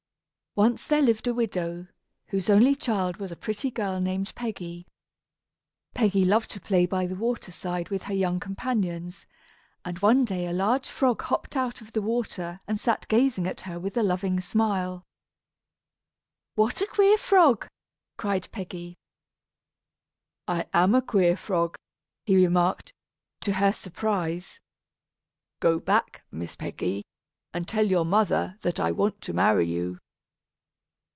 _) Once there lived a widow, whose only child was a pretty girl named Peggy. Peggy loved to play by the water side with her young companions, and one day a large frog hopped out of the water and sat gazing at her with a loving smile. "What a queer frog!" cried Peggy. "I am a queer frog," he remarked, to her surprise. "Go back, Miss Peggy, and tell your mother that I want to marry you."